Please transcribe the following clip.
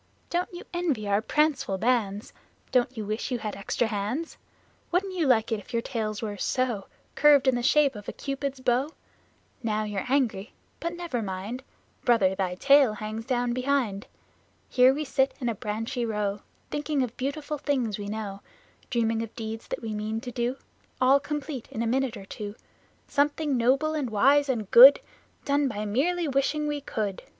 Don't you envy our pranceful bands? Don't you wish you had extra hands? Wouldn't you like if your tails were so Curved in the shape of a Cupid's bow? Now you're angry, but never mind, Brother, thy tail hangs down behind! Here we sit in a branchy row, Thinking of beautiful things we know; Dreaming of deeds that we mean to do, All complete, in a minute or two Something noble and wise and good, Done by merely wishing we could.